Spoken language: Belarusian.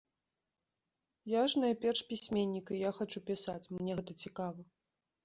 Я ж найперш пісьменнік і я хачу пісаць, мне гэта цікава.